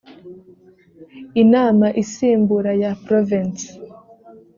inama isimbura ya provensi